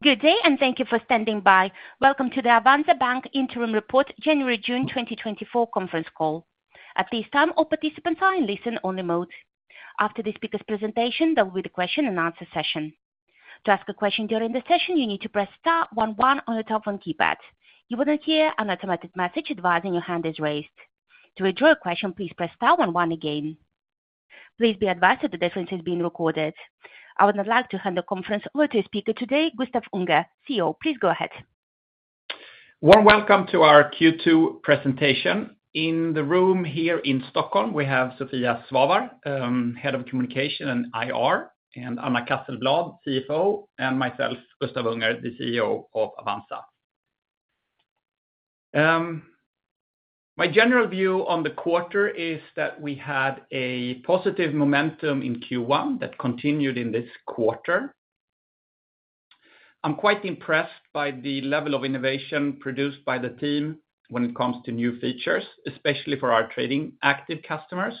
Good day, and thank you for standing by. Welcome to the Avanza Bank Interim Report, January-June 2024 conference call. At this time, all participants are in listen-only mode. After the speaker's presentation, there will be the question and answer session. To ask a question during the session, you need to press star one one on your telephone keypad. You will not hear an automated message advising your hand is raised. To withdraw your question, please press star one one again. Please be advised that the conference is being recorded. I would now like to hand the conference over to speaker today, Gustaf Unger, CEO. Please go ahead. Warm welcome to our Q2 presentation. In the room here in Stockholm, we have Sofia Svavar, Head of Communication and IR, and Anna Casselblad, CFO, and myself, Gustaf Unger, the CEO of Avanza. My general view on the quarter is that we had a positive momentum in Q1 that continued in this quarter. I'm quite impressed by the level of innovation produced by the team when it comes to new features, especially for our trading active customers.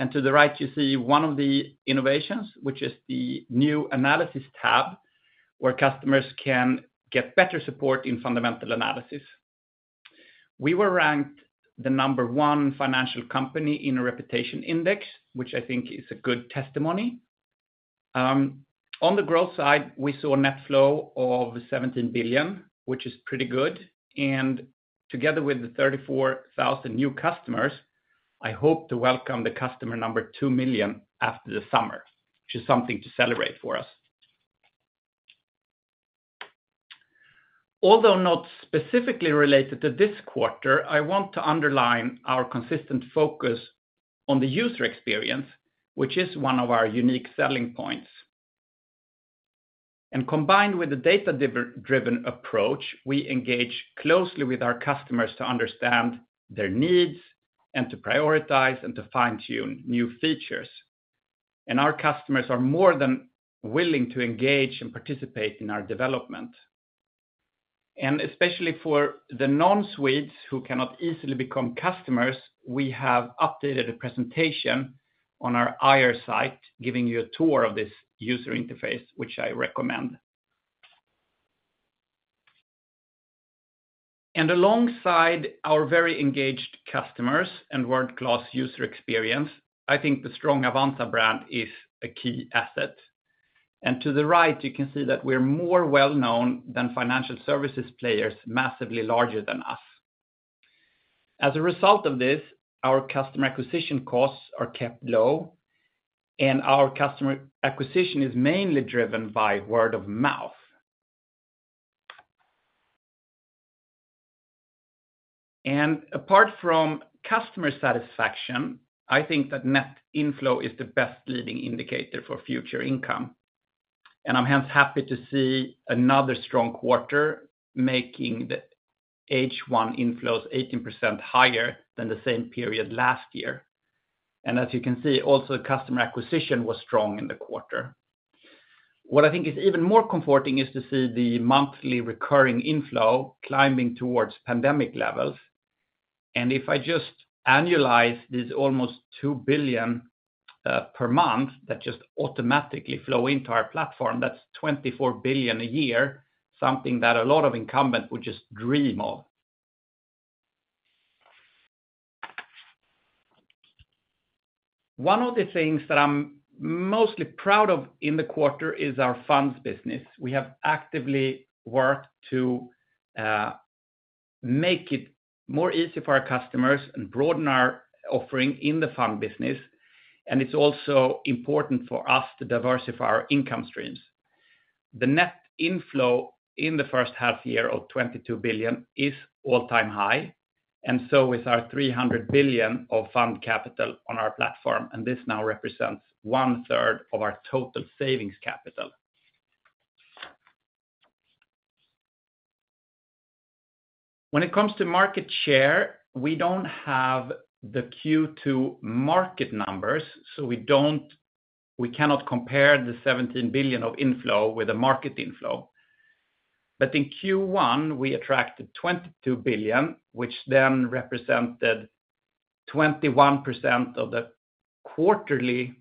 And to the right, you see one of the innovations, which is the new analysis tab, where customers can get better support in fundamental analysis. We were ranked the number one financial company in a reputation index, which I think is a good testimony. On the growth side, we saw a net flow of 17 billion, which is pretty good, and together with the 34,000 new customers, I hope to welcome the customer number 2 million after the summer, which is something to celebrate for us. Although not specifically related to this quarter, I want to underline our consistent focus on the user experience, which is one of our unique selling points. Combined with the data-driven approach, we engage closely with our customers to understand their needs and to prioritize and to fine-tune new features. Our customers are more than willing to engage and participate in our development. Especially for the non-Swedes who cannot easily become customers, we have updated a presentation on our IR site, giving you a tour of this user interface, which I recommend. Alongside our very engaged customers and world-class user experience, I think the strong Avanza brand is a key asset. To the right, you can see that we're more well-known than financial services players, massively larger than us. As a result of this, our customer acquisition costs are kept low, and our customer acquisition is mainly driven by word of mouth. Apart from customer satisfaction, I think that net inflow is the best leading indicator for future income, and I'm hence happy to see another strong quarter, making the H1 inflows 18% higher than the same period last year. As you can see, also, customer acquisition was strong in the quarter. What I think is even more comforting is to see the monthly recurring inflow climbing towards pandemic levels. And if I just annualize this almost 2 billion per month, that just automatically flow into our platform, that's 24 billion a year, something that a lot of incumbent would just dream of. One of the things that I'm mostly proud of in the quarter is our funds business. We have actively worked to make it more easy for our customers and broaden our offering in the fund business, and it's also important for us to diversify our income streams. The net inflow in the first half year of 22 billion is all-time high, and so is our 300 billion of fund capital on our platform, and this now represents one-third of our total savings capital. When it comes to market share, we don't have the Q2 market numbers, so we cannot compare the 17 billion of inflow with the market inflow. But in Q1, we attracted 22 billion, which then represented 21% of the quarterly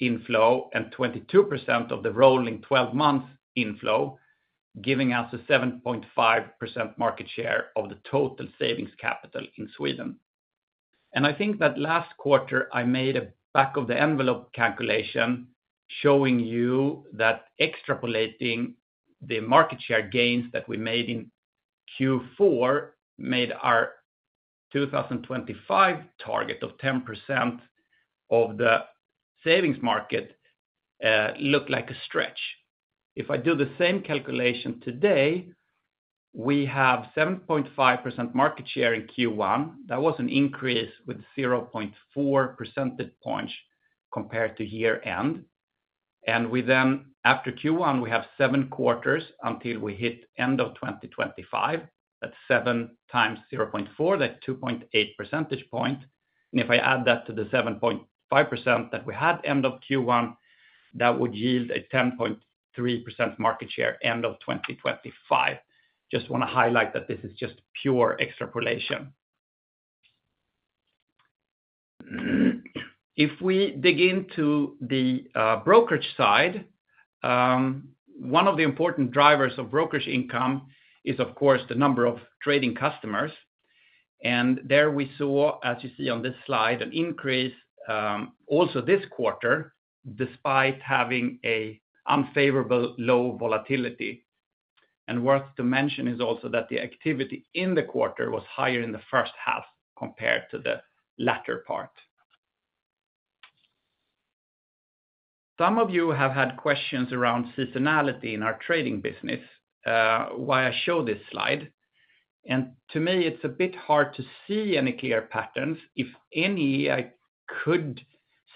inflow and 22% of the rolling twelve-month inflow, giving us a 7.5% market share of the total savings capital in Sweden. And I think that last quarter, I made a back-of-the-envelope calculation showing you that extrapolating the market share gains that we made in Q4 made our 2025 target of 10% of the savings market look like a stretch. If I do the same calculation today, we have 7.5% market share in Q1. That was an increase with 0.4 percentage points compared to year-end. And we then, after Q1, we have seven quarters until we hit end of 2025. That's seven times 0.4, that's 2.8 percentage point. If I add that to the 7.5% that we had end of Q1, that would yield a 10.3% market share end of 2025. Just wanna highlight that this is just pure extrapolation... If we dig into the brokerage side, one of the important drivers of brokerage income is, of course, the number of trading customers. And there we saw, as you see on this slide, an increase also this quarter, despite having a unfavorable low volatility. And worth to mention is also that the activity in the quarter was higher in the first half compared to the latter part. Some of you have had questions around seasonality in our trading business, why I show this slide. And to me, it's a bit hard to see any clear patterns. If any, I could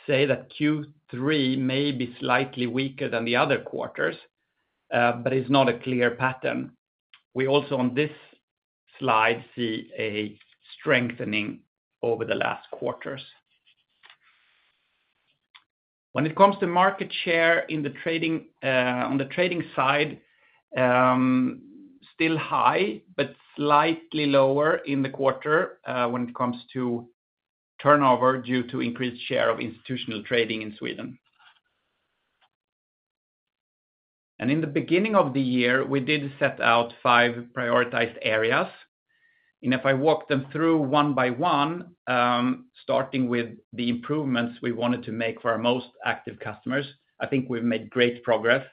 say that Q3 may be slightly weaker than the other quarters, but it's not a clear pattern. We also, on this slide, see a strengthening over the last quarters. When it comes to market share in the trading, on the trading side, still high, but slightly lower in the quarter when it comes to turnover due to increased share of institutional trading in Sweden. In the beginning of the year, we did set out five prioritized areas. If I walk them through one by one, starting with the improvements we wanted to make for our most active customers, I think we've made great progress.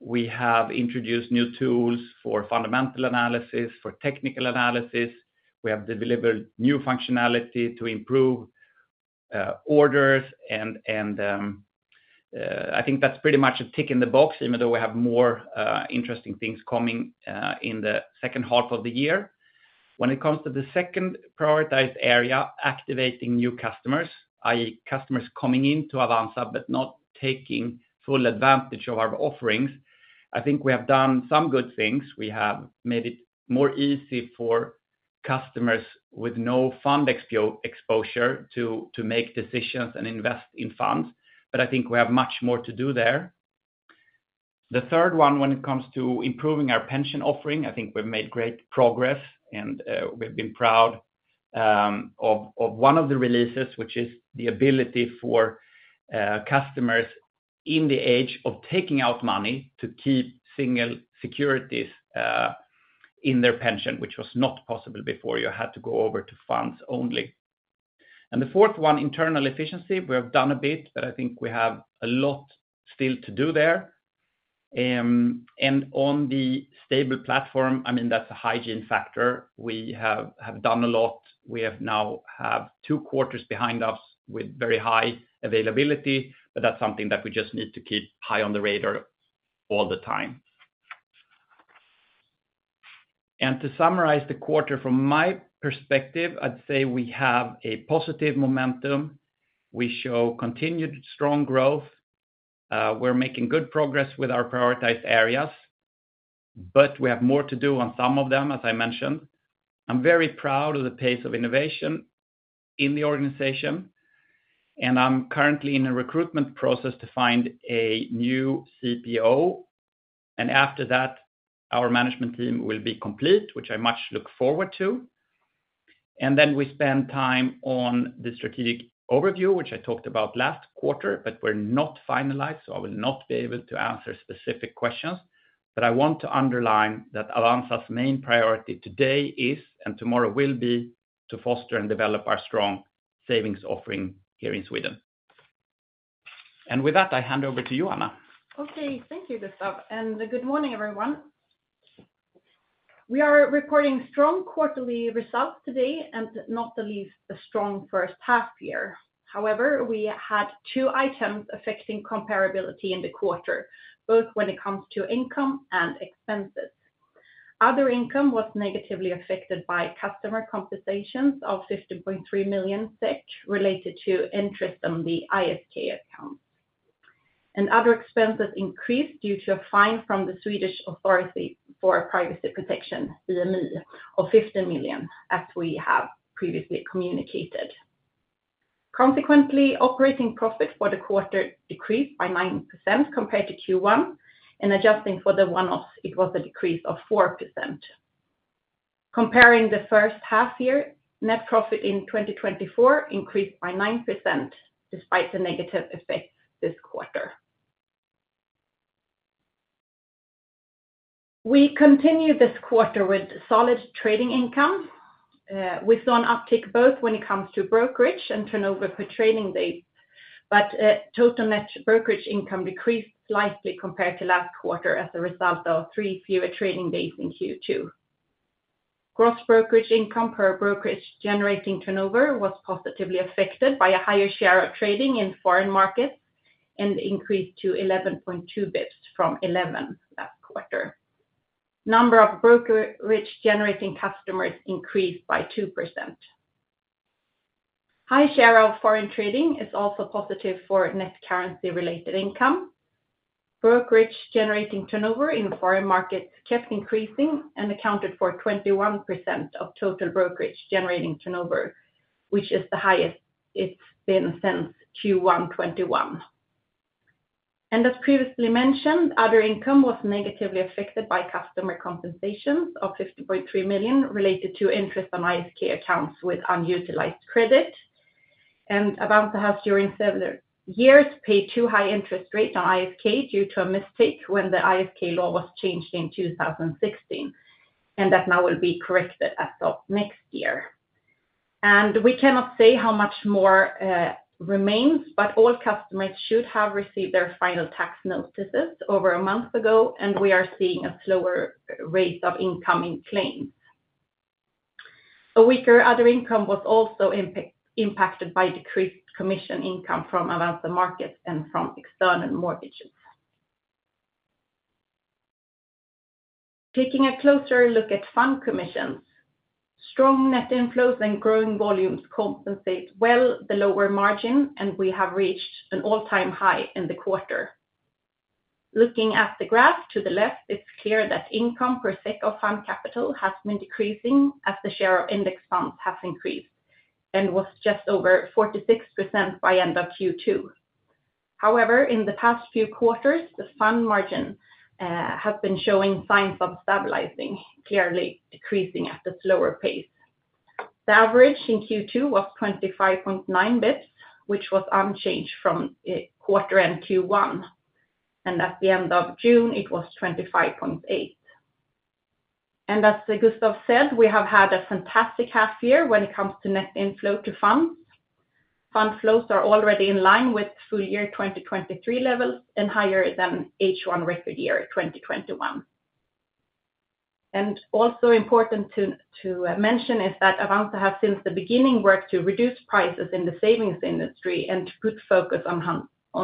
We have introduced new tools for fundamental analysis, for technical analysis. We have delivered new functionality to improve orders, and I think that's pretty much a tick in the box, even though we have more interesting things coming in the second half of the year. When it comes to the second prioritized area, activating new customers, i.e., customers coming in to Avanza, but not taking full advantage of our offerings, I think we have done some good things. We have made it more easy for customers with no fund exposure to make decisions and invest in funds, but I think we have much more to do there. The third one, when it comes to improving our pension offering, I think we've made great progress, and we've been proud of one of the releases, which is the ability for customers in the age of taking out money to keep single securities in their pension, which was not possible before. You had to go over to funds only. And the fourth one, internal efficiency. We have done a bit, but I think we have a lot still to do there. And on the stable platform, I mean, that's a hygiene factor. We have done a lot. We have now two quarters behind us with very high availability, but that's something that we just need to keep high on the radar all the time. And to summarize the quarter, from my perspective, I'd say we have a positive momentum. We show continued strong growth, we're making good progress with our prioritized areas, but we have more to do on some of them, as I mentioned. I'm very proud of the pace of innovation in the organization, and I'm currently in a recruitment process to find a new CPO. And after that, our management team will be complete, which I much look forward to. And then we spend time on the strategic overview, which I talked about last quarter, but we're not finalized, so I will not be able to answer specific questions. But I want to underline that Avanza's main priority today is, and tomorrow will be, to foster and develop our strong savings offering here in Sweden. And with that, I hand over to you, Anna. Okay, thank you, Gustav, and good morning, everyone. We are reporting strong quarterly results today, and not the least, a strong first half year. However, we had two items affecting comparability in the quarter, both when it comes to income and expenses. Other income was negatively affected by customer compensations of 50.3 million SEK, related to interest on the ISK account. Other expenses increased due to a fine from the Swedish Authority for Privacy Protection, IMY, of 50 million, as we have previously communicated. Consequently, operating profit for the quarter decreased by 9% compared to Q1, and adjusting for the one-off, it was a decrease of 4%. Comparing the first half year, net profit in 2024 increased by 9%, despite the negative effects this quarter. We continued this quarter with solid trading income, we saw an uptick both when it comes to brokerage and turnover per trading days, but, total net brokerage income decreased slightly compared to last quarter as a result of 3 fewer trading days in Q2. Gross brokerage income per brokerage generating turnover was positively affected by a higher share of trading in foreign markets, and increased to 11.2 basis points from 11 basis points last quarter. Number of brokerage generating customers increased by 2%. High share of foreign trading is also positive for net currency-related income. Brokerage generating turnover in foreign markets kept increasing and accounted for 21% of total brokerage generating turnover, which is the highest it's been since Q1 2021.... As previously mentioned, other income was negatively affected by customer compensations of 50.3 million related to interest on ISK accounts with unutilized credit, and about to have during several years, paid too high interest rates on ISK due to a mistake when the ISK law was changed in 2016, and that now will be corrected as of next year. We cannot say how much more remains, but all customers should have received their final tax notices over a month ago, and we are seeing a slower rate of incoming claims. A weaker other income was also impacted by decreased commission income from Avanza Markets and from external mortgages. Taking a closer look at fund commissions, strong net inflows and growing volumes compensate well the lower margin, and we have reached an all-time high in the quarter. Looking at the graph to the left, it's clear that income per SEK of fund capital has been decreasing as the share of index funds has increased and was just over 46% by end of Q2. However, in the past few quarters, the fund margin has been showing signs of stabilizing, clearly decreasing at a slower pace. The average in Q2 was 25.9 basis points, which was unchanged from quarter end Q1, and at the end of June, it was 25.8. And as Gustav said, we have had a fantastic half year when it comes to net inflow to funds. Fund flows are already in line with full year 2023 levels and higher than H1 record year 2021. Also important to mention is that Avanza have, since the beginning, worked to reduce prices in the savings industry and to put focus on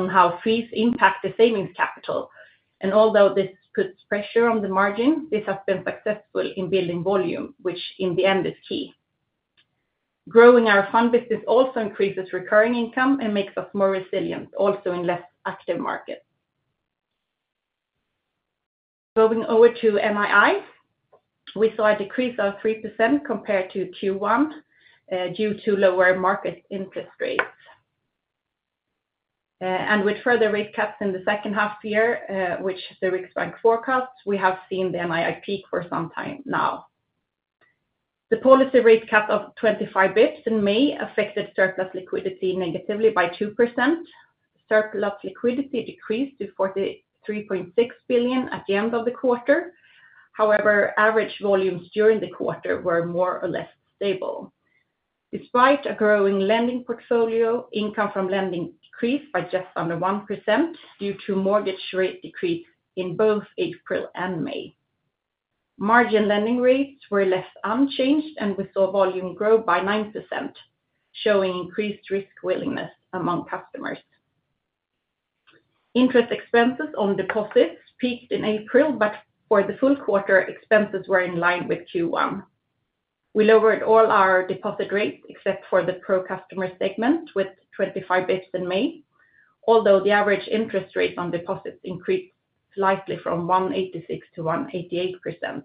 how fees impact the savings capital. Although this puts pressure on the margin, this has been successful in building volume, which in the end is key. Growing our fund business also increases recurring income and makes us more resilient, also in less active markets. Moving over to NII, we saw a decrease of 3% compared to Q1 due to lower market interest rates. And with further rate cuts in the second half year, which the Riksbank forecasts, we have seen the NII peak for some time now. The policy rate cut of 25 basis points in May affected surplus liquidity negatively by 2%. Surplus liquidity decreased to 43.6 billion at the end of the quarter. However, average volumes during the quarter were more or less stable. Despite a growing lending portfolio, income from lending decreased by just under 1% due to mortgage rate decrease in both April and May. Margin lending rates were largely unchanged, and we saw volume grow by 9%, showing increased risk willingness among customers. Interest expenses on deposits peaked in April, but for the full quarter, expenses were in line with Q1. We lowered all our deposit rates, except for the Pro customer segment, with 25 bps in May, although the average interest rate on deposits increased slightly from 1.86% to 1.88%.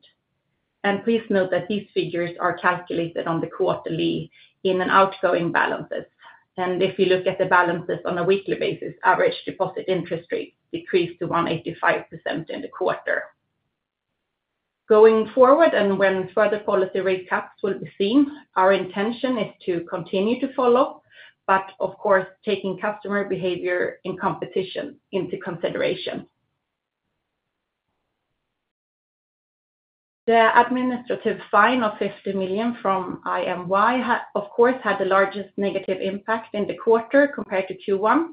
Please note that these figures are calculated on the quarterly incoming and outgoing balances. And if you look at the balances on a weekly basis, average deposit interest rates decreased to 1.85% in the quarter. Going forward, and when further policy rate cuts will be seen, our intention is to continue to follow, but of course, taking customer behavior and competition into consideration. The administrative fine of 50 million from IMY had of course, had the largest negative impact in the quarter compared to Q1.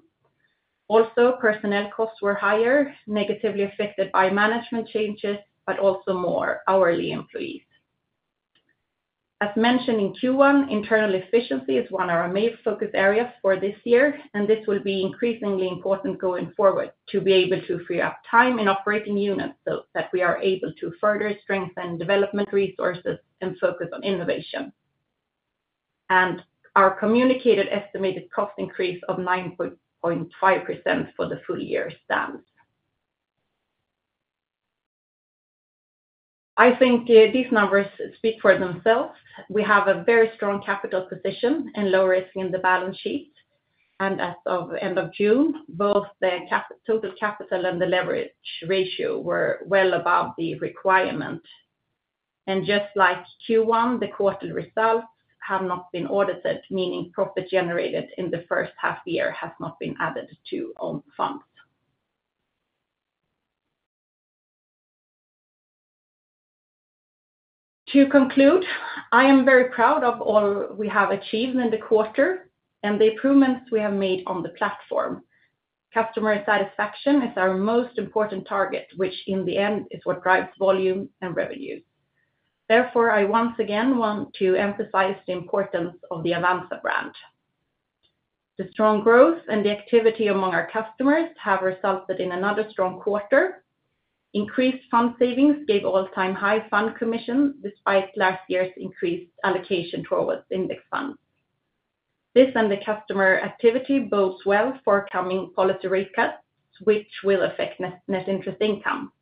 Also, personnel costs were higher, negatively affected by management changes, but also more hourly employees. As mentioned in Q1, internal efficiency is one of our main focus areas for this year, and this will be increasingly important going forward to be able to free up time in operating units so that we are able to further strengthen development resources and focus on innovation. Our communicated estimated cost increase of 9.5% for the full year stands. I think, these numbers speak for themselves. We have a very strong capital position and low risk in the balance sheet, and as of end of June, both the total capital and the leverage ratio were well above the requirement. Just like Q1, the quarter results have not been audited, meaning profit generated in the first half year has been added to own funds. To conclude, I am very proud of all we have achieved in the quarter and the improvements we have made on the platform. Customer satisfaction is our most important target, which in the end, is what drives volume and revenue. Therefore, I once again want to emphasize the importance of the Avanza brand. The strong growth and the activity among our customers have resulted in another strong quarter. Increased fund savings gave all-time high fund commission, despite last year's increased allocation towards index funds. This and the customer activity bodes well for coming policy rate cuts, which will affect net interest income.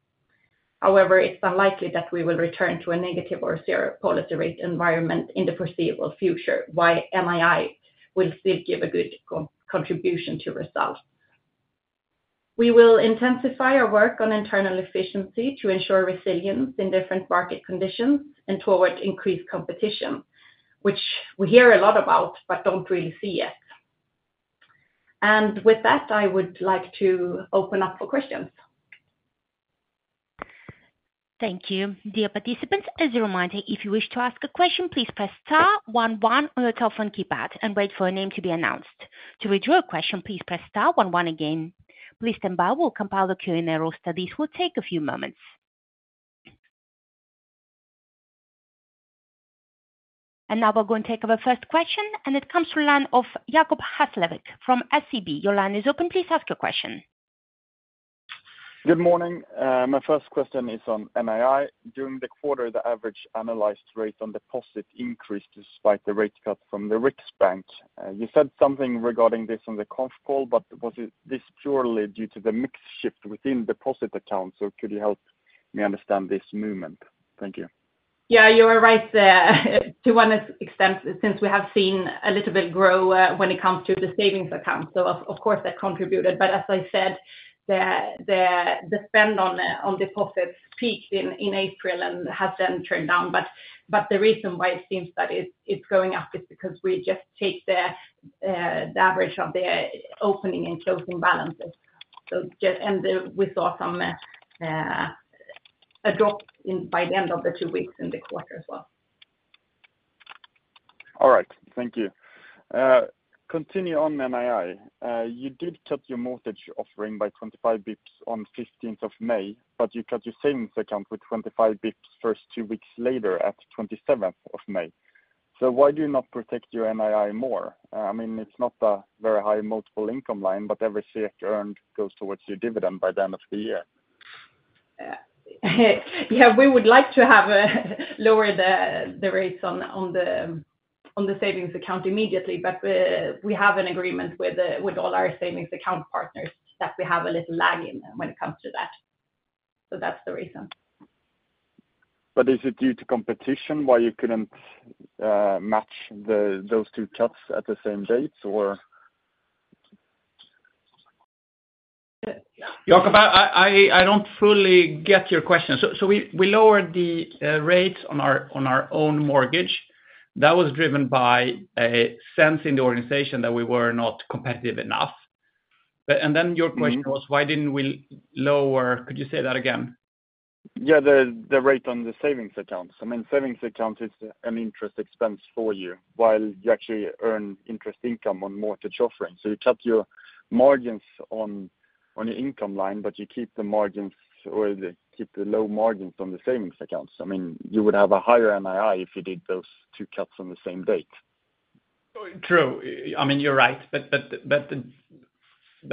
However, it's unlikely that we will return to a negative or zero policy rate environment in the foreseeable future, while NII will still give a good contribution to results. We will intensify our work on internal efficiency to ensure resilience in different market conditions and toward increased competition, which we hear a lot about, but don't really see yet. With that, I would like to open up for questions. Thank you. Dear participants, as a reminder, if you wish to ask a question, please press star one one on your telephone keypad and wait for a name to be announced. To withdraw a question, please press star one one again. Please stand by, we'll compile the Q&A roster. This will take a few moments. And now we're going to take our first question, and it comes from line of Jacob Hesslevik from SEB. Your line is open, please ask your question. Good morning. My first question is on NII. During the quarter, the average analyzed rate on deposit increased despite the rate cut from the Riksbank. You said something regarding this on the conf call, but was it this purely due to the mix shift within deposit accounts, or could you help me understand this movement? Thank you. Yeah, you are right, to one extent, since we have seen a little bit grow, when it comes to the savings account. So of course, that contributed. But as I said, the spend on deposits peaked in April and has then turned down. But the reason why it seems that it's going up is because we just take the average of the opening and closing balances. So just—and then we saw some adopt in by the end of the two weeks in the quarter as well. All right. Thank you. Continue on NII. You did cut your mortgage offering by 25 basis points on 15th of May, but you cut your savings account with 25 basis points just two weeks later, at 27th of May. So why do you not protect your NII more? I mean, it's not a very high multiple income line, but every SEK earned goes towards your dividend by the end of the year. Yeah, we would like to lower the rates on the savings account immediately, but we have an agreement with all our savings account partners, that we have a little lag in them when it comes to that. So that's the reason. Is it due to competition why you couldn't match those two cuts at the same dates or? Jacob, I don't fully get your question. So we lowered the rates on our own mortgage. That was driven by a sense in the organization that we were not competitive enough. And then your question was, why didn't we lower... Could you say that again? Yeah, the rate on the savings accounts. I mean, savings account is an interest expense for you, while you actually earn interest income on mortgage offerings. So you cut your margins on your income line, but you keep the margins or keep the low margins on the savings accounts. I mean, you would have a higher NII if you did those two cuts on the same date. True. I mean, you're right. But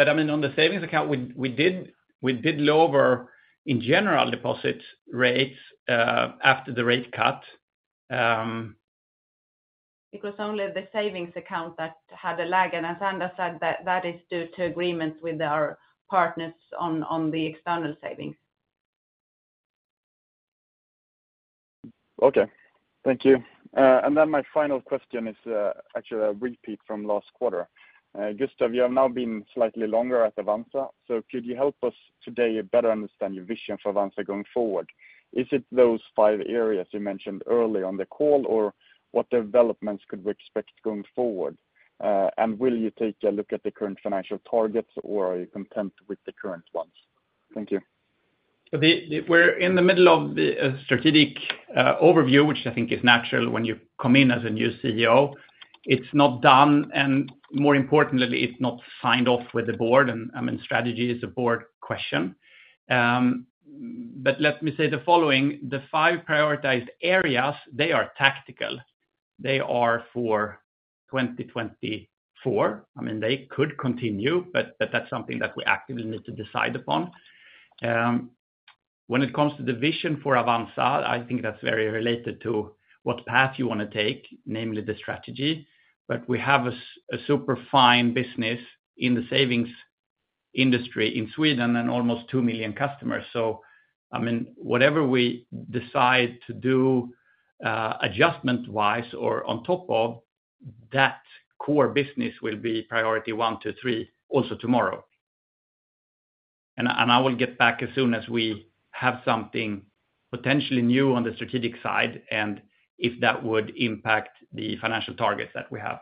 I mean, on the savings account, we did lower, in general, deposit rates after the rate cut. It was only the savings account that had a lag, and as Anders said, that is due to agreements with our partners on the external savings. Okay. Thank you. And then my final question is, actually a repeat from last quarter. Gustaf, you have now been slightly longer at Avanza, so could you help us today better understand your vision for Avanza going forward? Is it those five areas you mentioned earlier on the call, or what developments could we expect going forward? And will you take a look at the current financial targets, or are you content with the current ones? Thank you. We're in the middle of the strategic overview, which I think is natural when you come in as a new CEO. It's not done, and more importantly, it's not signed off with the board, and, I mean, strategy is a board question. But let me say the following: the five prioritized areas, they are tactical. They are for 2024. I mean, they could continue, but that's something that we actively need to decide upon. When it comes to the vision for Avanza, I think that's very related to what path you wanna take, namely the strategy. But we have a super fine business in the savings industry in Sweden and almost 2 million customers. So I mean, whatever we decide to do, adjustment-wise or on top of that core business will be priority one, two, three, also tomorrow. I will get back as soon as we have something potentially new on the strategic side, and if that would impact the financial targets that we have.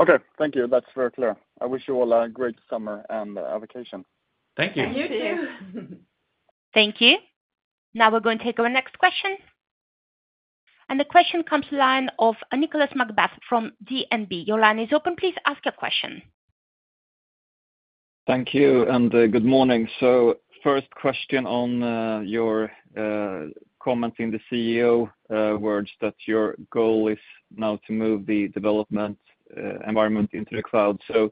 Okay, thank you. That's very clear. I wish you all a great summer and vacation. Thank you. You, too. Thank you. Now we're going to take our next question. The question comes line of Nicolas McBeath from DNB. Your line is open, please ask your question. Thank you, and good morning. So first question on your comment in the CEO words, that your goal is now to move the development environment into the cloud. So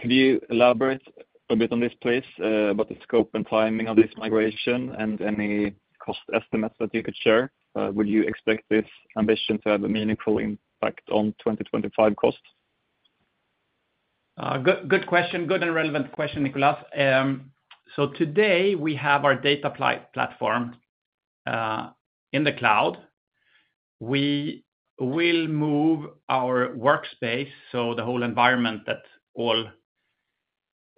can you elaborate a bit on this, please, about the scope and timing of this migration and any cost estimates that you could share? Would you expect this ambition to have a meaningful impact on 2025 costs? ... Good, good question. Good and relevant question, Nicholas. So today we have our data apply platform in the cloud. We will move our workspace, so the whole environment that all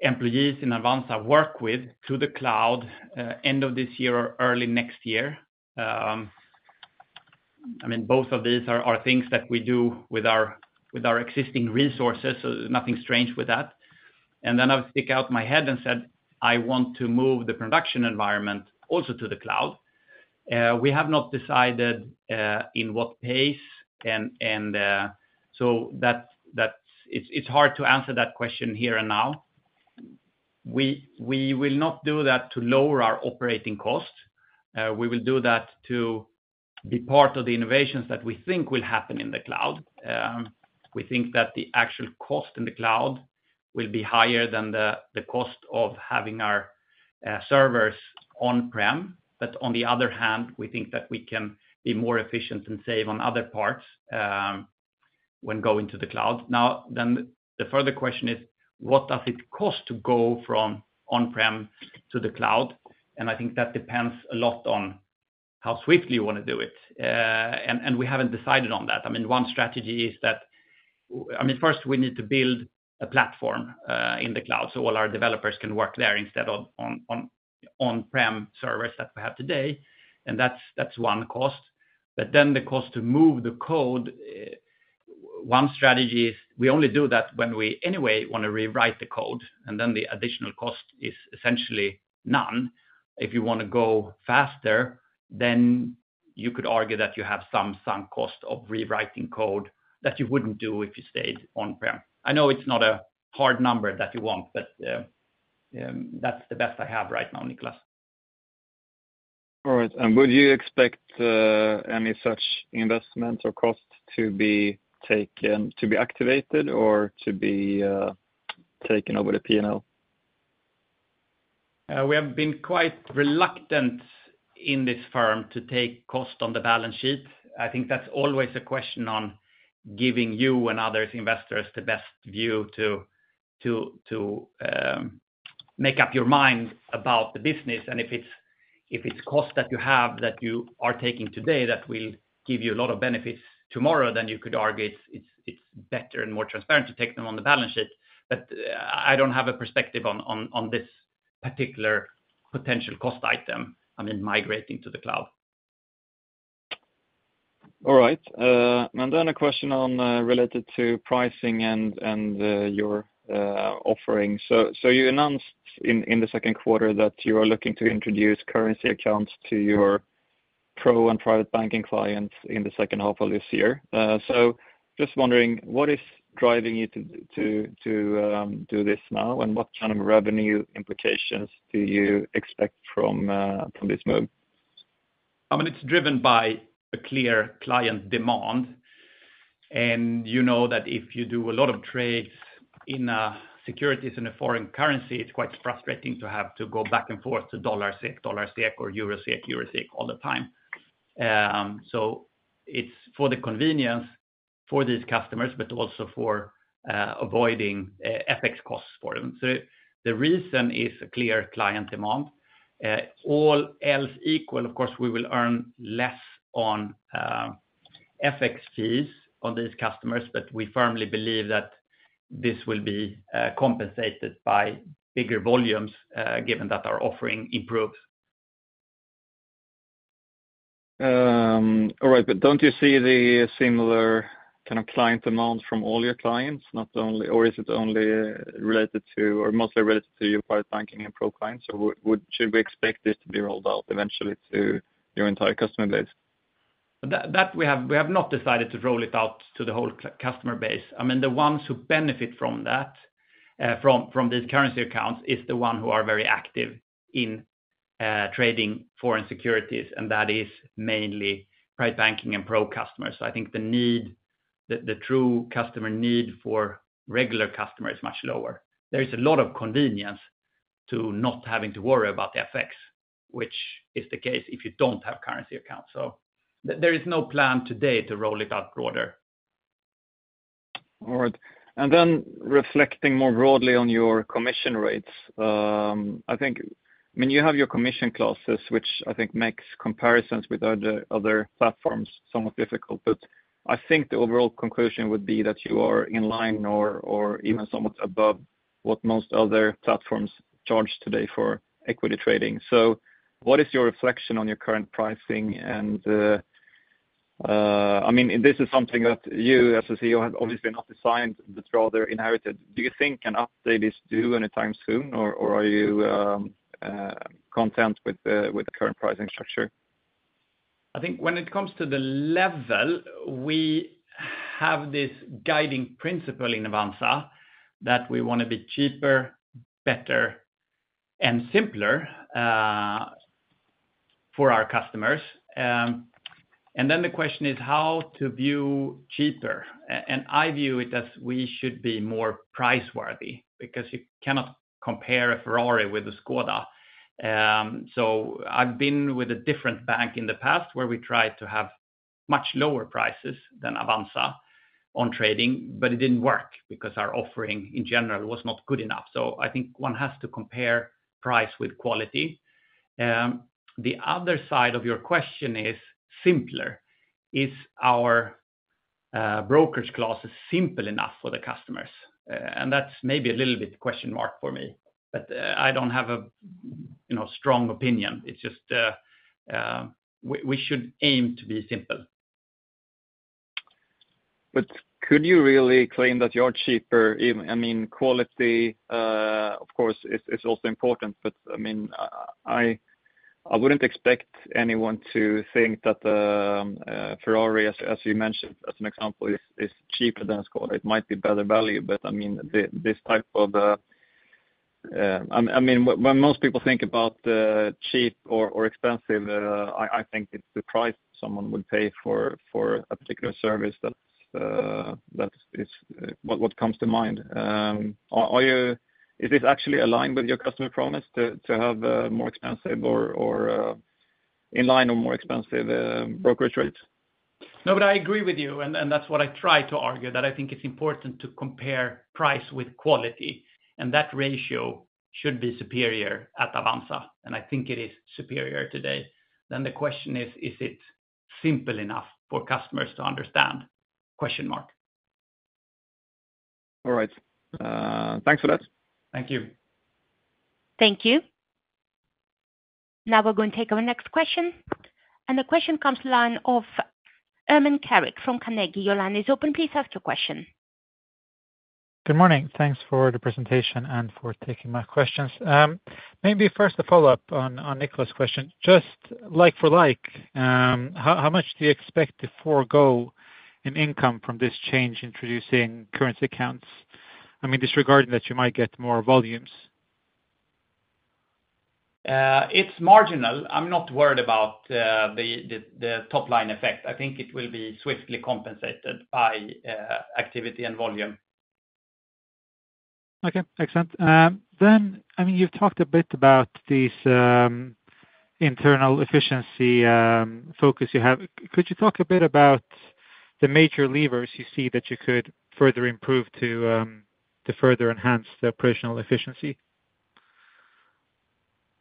employees in Avanza work with to the cloud, end of this year or early next year. I mean, both of these are things that we do with our existing resources, so nothing strange with that. And then I would stick out my head and said, I want to move the production environment also to the cloud. We have not decided in what pace, so that's hard to answer that question here and now. We will not do that to lower our operating cost. We will do that to be part of the innovations that we think will happen in the cloud. We think that the actual cost in the cloud will be higher than the cost of having our servers on-prem. But on the other hand, we think that we can be more efficient and save on other parts when going to the cloud. Now, then, the further question is, what does it cost to go from on-prem to the cloud? And I think that depends a lot on how swiftly you wanna do it. And we haven't decided on that. I mean, one strategy is that - I mean, first, we need to build a platform in the cloud, so all our developers can work there instead of on-prem servers that we have today, and that's one cost. But then the cost to move the code, one strategy is we only do that when we anyway wanna rewrite the code, and then the additional cost is essentially none. If you wanna go faster, then you could argue that you have some cost of rewriting code that you wouldn't do if you stayed on-prem. I know it's not a hard number that you want, but, that's the best I have right now, Nicolas. All right. And would you expect, any such investment or cost to be taken, to be activated or to be, taken over the P&L? We have been quite reluctant in this firm to take cost on the balance sheet. I think that's always a question on giving you and other investors the best view to make up your mind about the business. And if it's cost that you have, that you are taking today, that will give you a lot of benefits tomorrow, then you could argue it's better and more transparent to take them on the balance sheet. But I don't have a perspective on this particular potential cost item, I mean, migrating to the cloud. All right. And then a question on related to pricing and your offering. So you announced in the second quarter that you are looking to introduce currency accounts to your Pro and private banking clients in the second half of this year. So just wondering, what is driving you to do this now? And what kind of revenue implications do you expect from this move? I mean, it's driven by a clear client demand. And you know that if you do a lot of trades in securities in a foreign currency, it's quite frustrating to have to go back and forth to dollar SEK, dollar SEK, or Euro SEK, Euro SEK all the time. So it's for the convenience for these customers, but also for avoiding FX costs for them. So the reason is a clear client demand. All else equal, of course, we will earn less on FX fees on these customers, but we firmly believe that this will be compensated by bigger volumes given that our offering improves. All right, but don't you see the similar kind of client demand from all your clients, not only or is it only related to, or mostly related to your private banking and pro clients? Or should we expect this to be rolled out eventually to your entire customer base? That we have not decided to roll it out to the whole customer base. I mean, the ones who benefit from that, from these currency accounts, is the one who are very active in trading foreign securities, and that is mainly Private Banking and Pro customers. So I think the need, the true customer need for regular customer is much lower. There is a lot of convenience to not having to worry about the FX, which is the case if you don't have currency account. So there is no plan today to roll it out broader. All right. Then reflecting more broadly on your commission rates, I think, I mean, you have your commission classes, which I think makes comparisons with other platforms somewhat difficult. But I think the overall conclusion would be that you are in line or even somewhat above what most other platforms charge today for equity trading. So what is your reflection on your current pricing? And, I mean, this is something that you, as a CEO, have obviously not designed, but rather inherited. Do you think an update is due anytime soon, or are you content with the current pricing structure? I think when it comes to the level, we have this guiding principle in Avanza that we wanna be cheaper, better, and simpler, for our customers. And then the question is how to view cheaper. And I view it as we should be more price-worthy because you cannot compare a Ferrari with a Škoda. So I've been with a different bank in the past where we tried to have much lower prices than Avanza on trading, but it didn't work because our offering, in general, was not good enough. So I think one has to compare price with quality. The other side of your question is simpler. Is our brokerage class is simple enough for the customers? And that's maybe a little bit question mark for me, but I don't have a, you know, strong opinion. It's just, we should aim to be simple. But could you really claim that you are cheaper? Even, I mean, quality, of course, is also important, but, I mean, I wouldn't expect anyone to think that, Ferrari, as you mentioned, as an example, is cheaper than Škoda. It might be better value, but, I mean, this type of... I mean, when most people think about, cheap or expensive, I think it's the price someone would pay for a particular service that's what comes to mind. Are you—is this actually aligned with your customer promise to have more expensive or in line or more expensive brokerage rates? No, but I agree with you, and that's what I try to argue, that I think it's important to compare price with quality, and that ratio should be superior at Avanza, and I think it is superior today. Then the question is: Is it simple enough for customers to understand? All right. Thanks for that. Thank you. Thank you. Now we're going to take our next question, and the question comes from the line of Ermin Keric from Carnegie. Your line is open. Please ask your question. Good morning. Thanks for the presentation and for taking my questions. Maybe first a follow-up on Nicholas' question. Just like for like, how much do you expect to forego in income from this change introducing currency accounts? I mean, disregarding that you might get more volumes. It's marginal. I'm not worried about the top-line effect. I think it will be swiftly compensated by activity and volume. Okay, excellent. Then, I mean, you've talked a bit about this, internal efficiency, focus you have. Could you talk a bit about the major levers you see that you could further improve to, to further enhance the operational efficiency?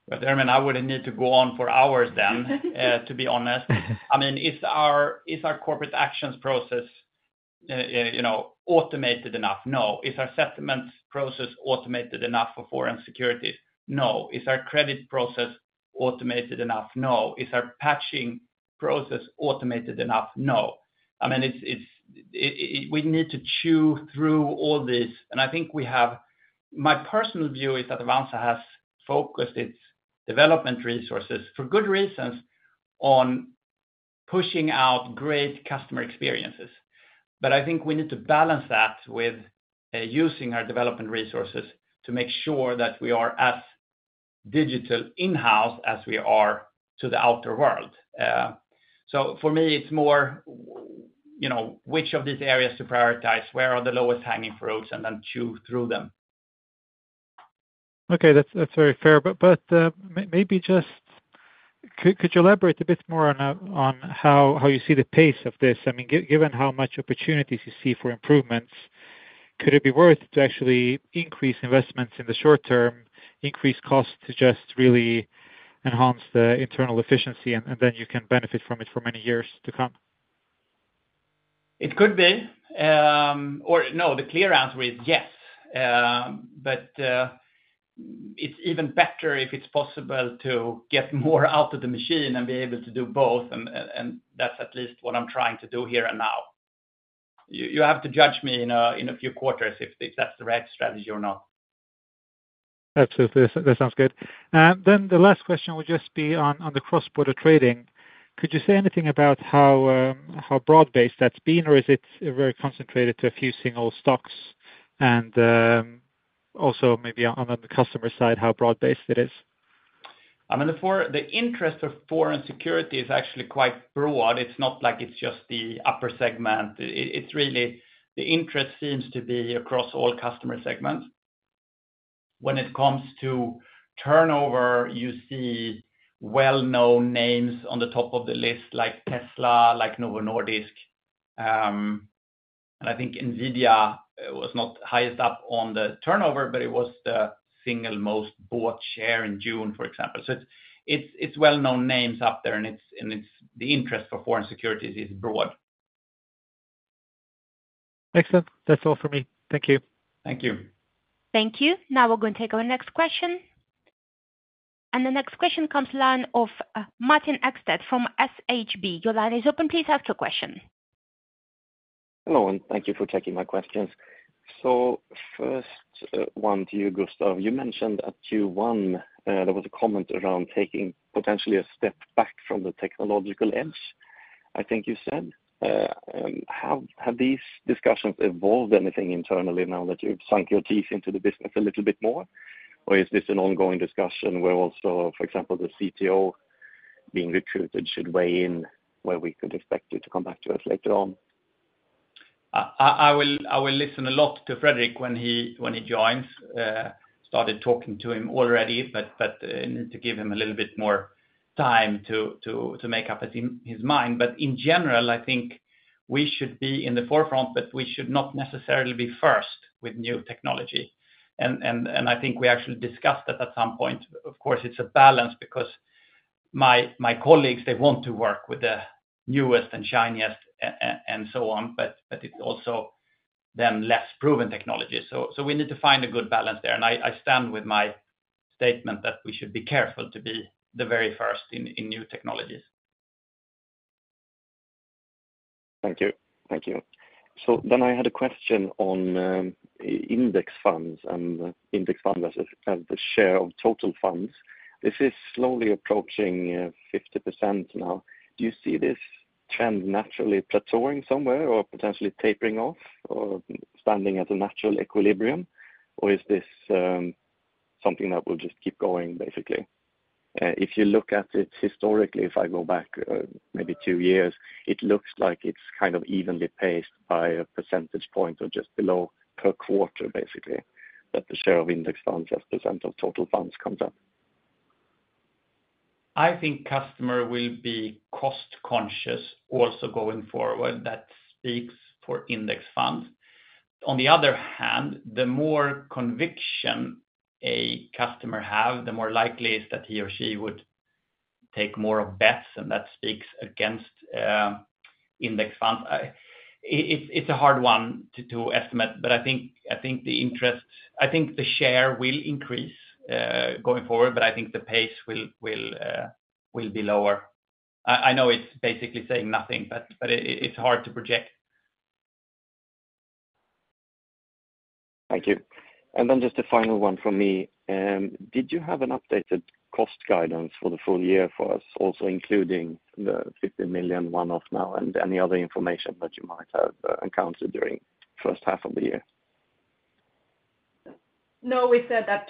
But, Ermin, I wouldn't need to go on for hours then, to be honest. I mean, is our corporate actions process, you know, automated enough? No. Is our settlement process automated enough for foreign securities? No. Is our credit process automated enough? No. Is our patching process automated enough? No. I mean, it's, we need to chew through all this, and I think we have. My personal view is that Avanza has focused its development resources, for good reasons, on pushing out great customer experiences. But I think we need to balance that with, using our development resources to make sure that we are as digital in-house as we are to the outer world. So for me, it's more, you know, which of these areas to prioritize, where are the lowest hanging fruits, and then chew through them. Okay, that's, that's very fair. But, but, maybe just could you elaborate a bit more on how you see the pace of this? I mean, given how much opportunities you see for improvements, could it be worth to actually increase investments in the short term, increase costs to just really enhance the internal efficiency, and then you can benefit from it for many years to come? It could be. Or no, the clear answer is yes. But, it's even better if it's possible to get more out of the machine and be able to do both, and that's at least what I'm trying to do here and now. You have to judge me in a few quarters if that's the right strategy or not. Absolutely. That sounds good. Then the last question would just be on the cross-border trading. Could you say anything about how broad-based that's been, or is it very concentrated to a few single stocks? And also maybe on the customer side, how broad-based it is. I mean, the interest of foreign security is actually quite broad. It's not like it's just the upper segment. It's really, the interest seems to be across all customer segments. When it comes to turnover, you see well-known names on the top of the list, like Tesla, like Novo Nordisk. And I think NVIDIA was not highest up on the turnover, but it was the single most bought share in June, for example. So it's, it's, it's well-known names up there, and it's, and it's the interest for foreign securities is broad. Excellent. That's all for me. Thank you. Thank you. Thank you. Now we're going to take our next question. The next question comes from the line of Martin Ekstedt from SHB. Your line is open. Please ask your question. Hello, and thank you for taking my questions. So first, one to you, Gustaf. You mentioned at Q1, there was a comment around taking potentially a step back from the technological edge, I think you said. Have these discussions evolved anything internally now that you've sunk your teeth into the business a little bit more? Or is this an ongoing discussion where also, for example, the CTO being recruited should weigh in, where we could expect you to come back to us later on?... I will listen a lot to Fredrik when he joins, started talking to him already, but need to give him a little bit more time to make up his mind. But in general, I think we should be in the forefront, but we should not necessarily be first with new technology. And I think we actually discussed that at some point. Of course, it's a balance because my colleagues, they want to work with the newest and shiniest, and so on, but it also then less proven technology. So we need to find a good balance there. And I stand with my statement that we should be careful to be the very first in new technologies. Thank you. Thank you. So then I had a question on index funds and index funds as the share of total funds. This is slowly approaching 50% now. Do you see this trend naturally plateauing somewhere, or potentially tapering off, or standing at a natural equilibrium? Or is this something that will just keep going, basically? If you look at it historically, if I go back maybe two years, it looks like it's kind of evenly paced by a percentage point or just below per quarter, basically, that the share of index funds as percent of total funds comes up. I think customer will be cost conscious also going forward. That speaks for index funds. On the other hand, the more conviction a customer have, the more likely it's that he or she would take more of bets, and that speaks against index funds. It's a hard one to estimate, but I think the share will increase going forward, but I think the pace will be lower. I know it's basically saying nothing, but it is hard to project. Thank you. And then just a final one from me. Did you have an updated cost guidance for the full year for us, also including the 50 million one-off now, and any other information that you might have encountered during first half of the year? No, we said that,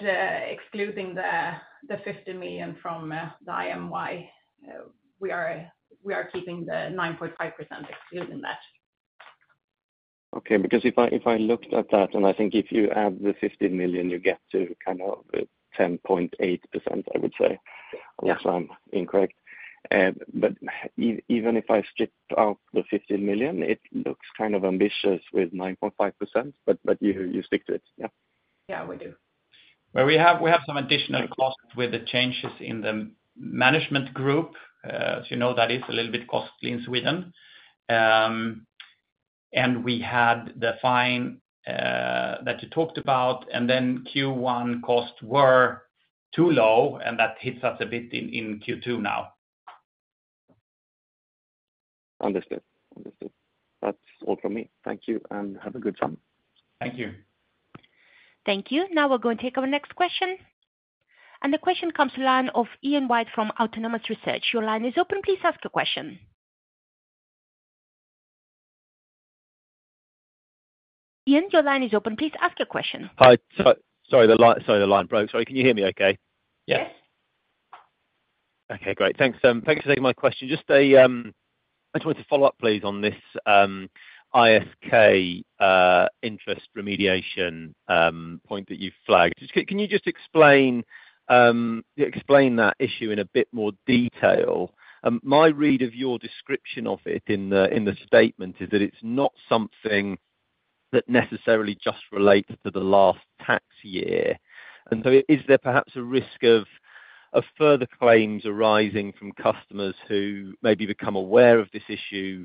excluding the 50 million from the IMY, we are keeping the 9.5% excluding that. Okay, because if I, if I looked at that, and I think if you add the 50 million, you get to kind of 10.8%, I would say- Yeah. Unless I'm incorrect. But even if I strip out the 50 million, it looks kind of ambitious with 9.5%, but you stick to it? Yeah. Yeah, we do. Well, we have, we have some additional costs with the changes in the management group. As you know, that is a little bit costly in Sweden. And we had the fine that you talked about, and then Q1 costs were too low, and that hits us a bit in, in Q2 now. Understood. Understood. That's all from me. Thank you, and have a good summer. Thank you. Thank you. Now we're going to take our next question. The question comes the line of Ian White from Autonomous Research. Your line is open. Please ask your question. Ian, your line is open. Please ask your question. Hi. Sorry, the line broke. Sorry, can you hear me okay? Yes. Okay, great. Thanks, thanks for taking my question. Just a, I just wanted to follow up, please, on this, ISK, interest remediation, point that you flagged. Can you just explain that issue in a bit more detail? My read of your description of it in the, in the statement is that it's not something that necessarily just relates to the last tax year. And so is there perhaps a risk of further claims arising from customers who maybe become aware of this issue,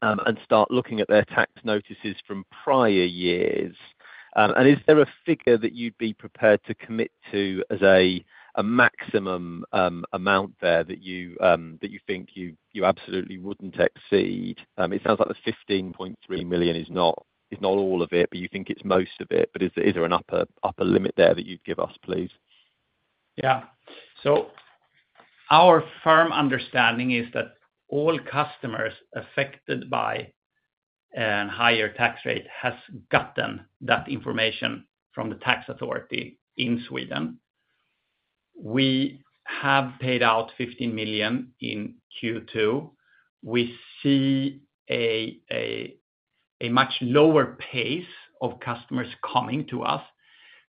and start looking at their tax notices from prior years? And is there a figure that you'd be prepared to commit to as a maximum amount there that you think you absolutely wouldn't exceed? It sounds like the 15.3 million is not all of it, but you think it's most of it. But is there an upper limit there that you'd give us, please? Yeah. So our firm understanding is that all customers affected by a higher tax rate has gotten that information from the tax authority in Sweden. We have paid out 15 million in Q2. We see a much lower pace of customers coming to us,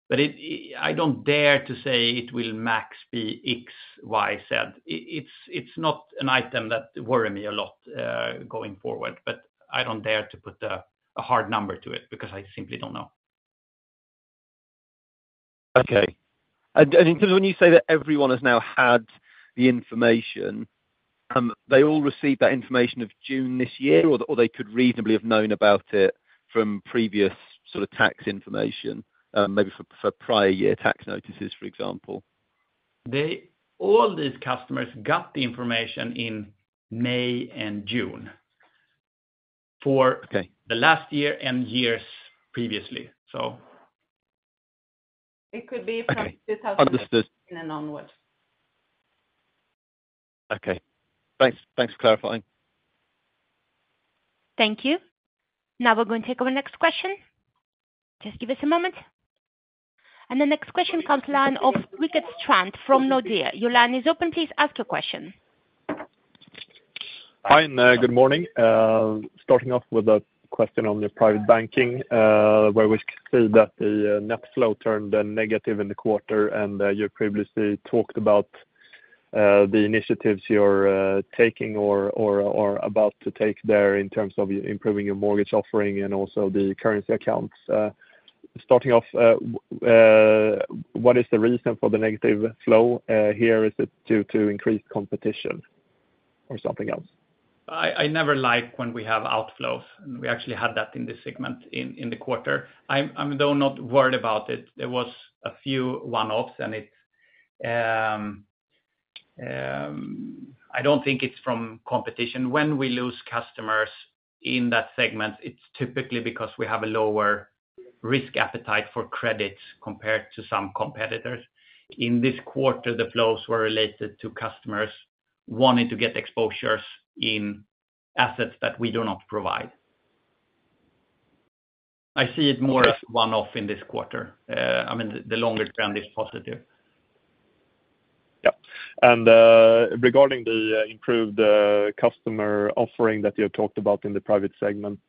but it, I don't dare to say it will max be X, Y, Z. It's not an item that worry me a lot, going forward, but I don't dare to put a hard number to it because I simply don't know. Okay. In terms when you say that everyone has now had the information, they all received that information of June this year, or they could reasonably have known about it from previous sort of tax information, maybe for prior year tax notices, for example? All these customers got the information in May and June for- Okay... the last year and years previously, so. It could be from 2000- Understood... and onwards. Okay. Thanks, thanks for clarifying. Thank you. Now we're going to take our next question. Just give us a moment... And the next question comes line of Rickard Strand from Nordea. Your line is open, please ask your question. Hi, and, good morning. Starting off with a question on your Private Banking, where we see that the net flow turned negative in the quarter, and you previously talked about the initiatives you're taking or about to take there in terms of improving your mortgage offering and also the Currency Accounts. Starting off, what is the reason for the negative flow here? Is it due to increased competition or something else? I never like when we have outflows, and we actually had that in this segment in the quarter. I'm though not worried about it. There was a few one-offs, and I don't think it's from competition. When we lose customers in that segment, it's typically because we have a lower risk appetite for credit compared to some competitors. In this quarter, the flows were related to customers wanting to get exposures in assets that we do not provide. I see it more as- Okay... one-off in this quarter. I mean, the longer term is positive. Yep. And, regarding the improved customer offering that you talked about in the Private segment,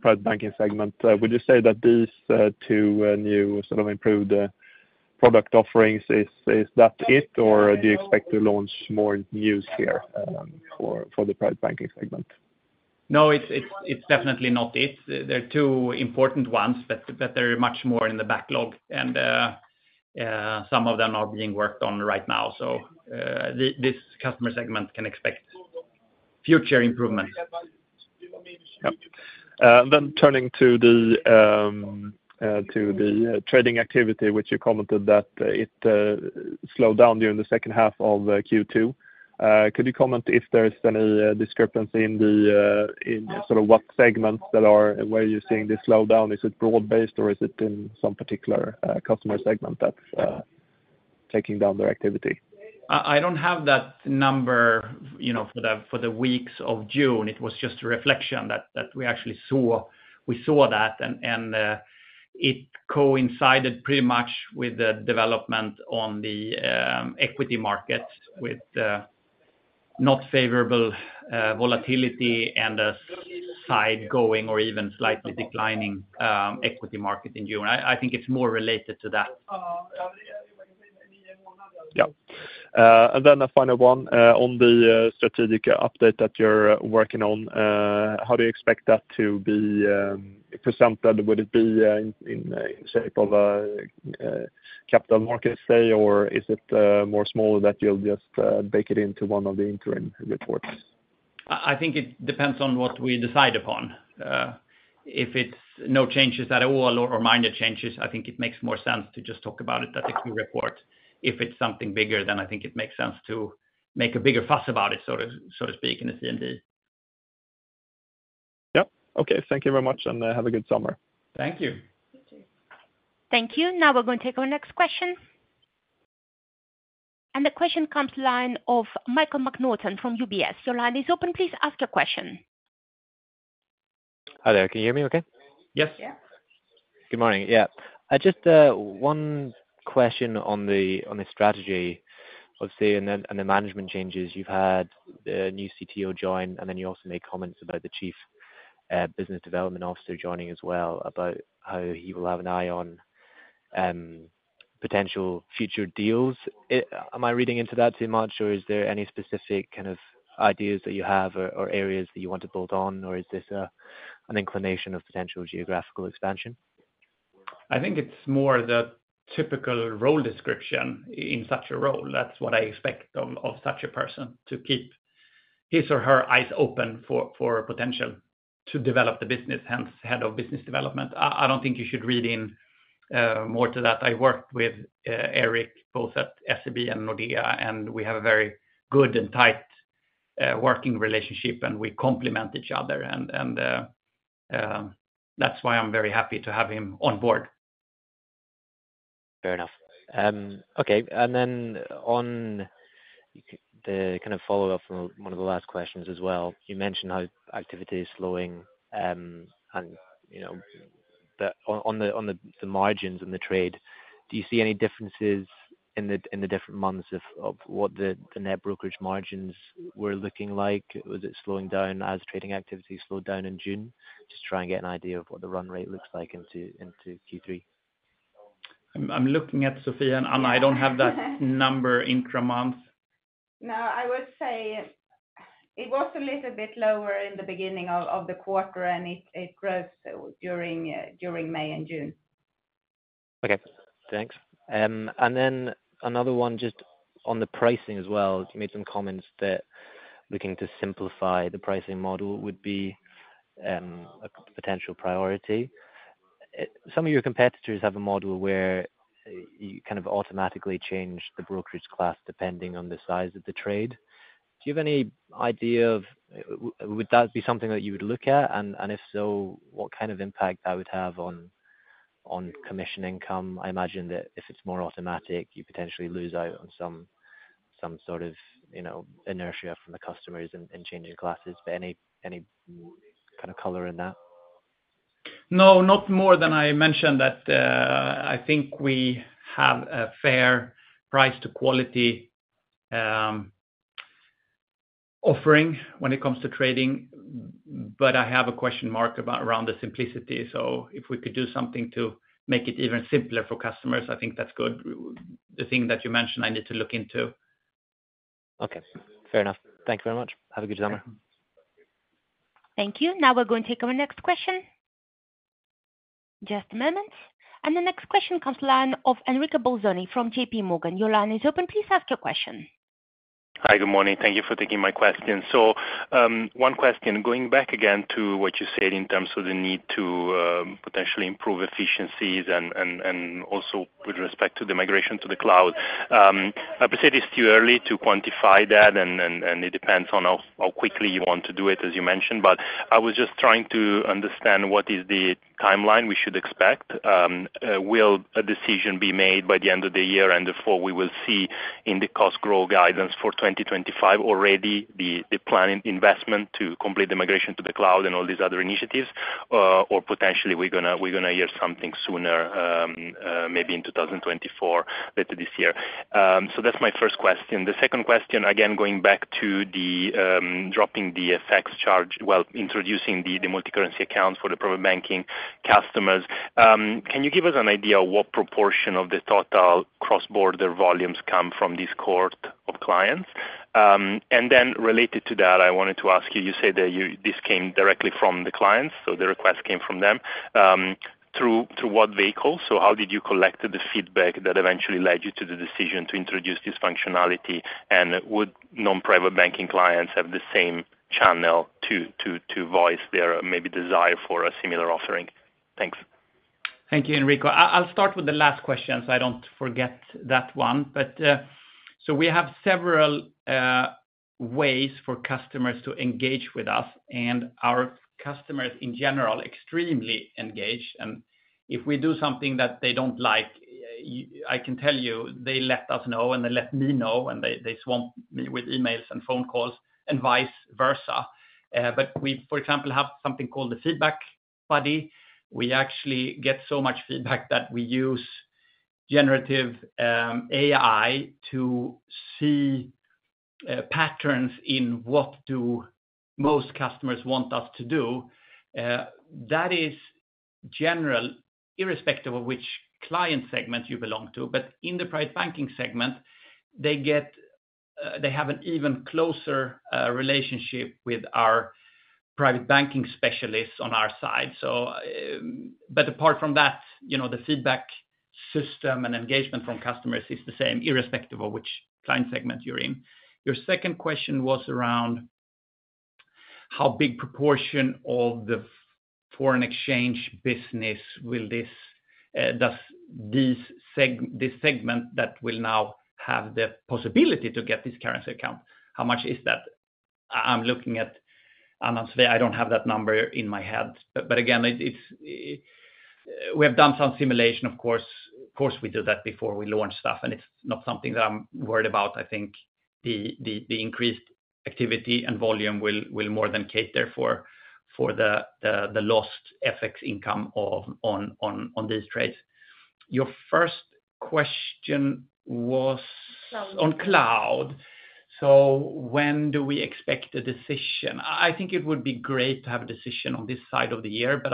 Private Banking segment, would you say that these two new, sort of improved product offerings, is, is that it, or do you expect to launch more news here, for the Private Banking segment? No, it's definitely not it. They're two important ones, but there are much more in the backlog, and some of them are being worked on right now. So, this customer segment can expect future improvements. Yep. Then turning to the trading activity, which you commented that it slowed down during the second half of Q2. Could you comment if there is any discrepancy in sort of what segments that are where you're seeing this slowdown? Is it broad-based, or is it in some particular customer segment that's taking down their activity? I don't have that number, you know, for the weeks of June. It was just a reflection that we actually saw. We saw that, and it coincided pretty much with the development on the equity market, with not favorable volatility and a side going or even slightly declining equity market in June. I think it's more related to that. Yeah. And then a final one on the strategic update that you're working on, how do you expect that to be presented? Would it be in the shape of a capital markets day, or is it smaller that you'll just bake it into one of the interim reports? I think it depends on what we decide upon. If it's no changes at all or minor changes, I think it makes more sense to just talk about it at the Q report. If it's something bigger, then I think it makes sense to make a bigger fuss about it, so to speak, in the C&D. Yep. Okay, thank you very much, and have a good summer. Thank you. Thank you. Now we're going to take our next question. The question comes from the line of Michael Naughton from UBS. Your line is open. Please ask your question. Hi there. Can you hear me okay? Yes. Yeah. Good morning. Yeah. Just one question on the strategy, obviously, and the management changes. You've had a new CTO join, and then you also made comments about the chief business development officer joining as well, about how he will have an eye on potential future deals. Am I reading into that too much, or is there any specific kind of ideas that you have or areas that you want to build on, or is this an inclination of potential geographical expansion? I think it's more the typical role description in such a role. That's what I expect of such a person, to keep his or her eyes open for potential to develop the business, hence head of business development. I don't think you should read in more to that. I worked with Erik, both at SEB and Nordea, and we have a very good and tight working relationship, and we complement each other, and that's why I'm very happy to have him on board. Fair enough. Okay, and then on the kind of follow-up from one of the last questions as well, you mentioned how activity is slowing, and, you know, on the margins and the trade, do you see any differences in the different months of what the net brokerage margins were looking like? Was it slowing down as trading activity slowed down in June? Just try and get an idea of what the run rate looks like into Q3. I'm looking at Sofia- Anna.... I don't have that number intra-month. No, I would say it was a little bit lower in the beginning of the quarter, and it grew, so during May and June. Okay. Thanks. And then another one just on the pricing as well, you made some comments that looking to simplify the pricing model would be a potential priority. Some of your competitors have a model where you kind of automatically change the brokerage class, depending on the size of the trade. Do you have any idea of... Would that be something that you would look at? And if so, what kind of impact that would have on commission income? I imagine that if it's more automatic, you potentially lose out on some-... some sort of, you know, inertia from the customers in, in changing classes, but any, any kind of color in that? No, not more than I mentioned that, I think we have a fair price to quality offering when it comes to trading, but I have a question mark about around the simplicity. So if we could do something to make it even simpler for customers, I think that's good. The thing that you mentioned, I need to look into. Okay, fair enough. Thank you very much. Have a good summer. Thank you. Now we're going to take our next question. Just a moment. And the next question comes from the line of Enrico Bolzoni from J.P. Morgan. Your line is open. Please ask your question. Hi, good morning. Thank you for taking my question. So, one question, going back again to what you said in terms of the need to potentially improve efficiencies and also with respect to the migration to the cloud. I would say it is too early to quantify that, and it depends on how quickly you want to do it, as you mentioned, but I was just trying to understand what is the timeline we should expect. Will a decision be made by the end of the year? And therefore, we will see in the cost growth guidance for 2025 already the planning investment to complete the migration to the cloud and all these other initiatives, or potentially we're gonna hear something sooner, maybe in 2024, later this year. So that's my first question. The second question, again, going back to the, dropping the effects charge, well, introducing the, the multicurrency accounts for the private banking customers, can you give us an idea of what proportion of the total cross-border volumes come from this cohort of clients? And then related to that, I wanted to ask you, you said that you—this came directly from the clients, so the request came from them. Through, through what vehicle? So how did you collect the feedback that eventually led you to the decision to introduce this functionality? And would non-private banking clients have the same channel to, to, to voice their maybe desire for a similar offering? Thanks. Thank you, Enrico. I'll start with the last question, so I don't forget that one. But so we have several ways for customers to engage with us, and our customers in general, extremely engaged. And if we do something that they don't like, I can tell you, they let us know, and they let me know, and they swamp me with emails and phone calls and vice versa. But we, for example, have something called the Feedback Buddy. We actually get so much feedback that we use generative AI to see patterns in what do most customers want us to do. That is general, irrespective of which client segment you belong to, but in the Private Banking segment, they get, they have an even closer relationship with our Private Banking specialists on our side. So, but apart from that, you know, the feedback system and engagement from customers is the same, irrespective of which client segment you're in. Your second question was around how big proportion of the foreign exchange business will this segment that will now have the possibility to get this currency account? How much is that? I'm looking at... And honestly, I don't have that number in my head, but again, it's we have done some simulation, of course. Of course, we do that before we launch stuff, and it's not something that I'm worried about. I think the increased activity and volume will more than cater for the lost FX income on these trades. Your first question was- Cloud... on cloud. So when do we expect a decision? I think it would be great to have a decision on this side of the year, but